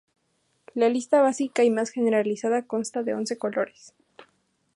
La lista básica y más generalizada consta de once colores.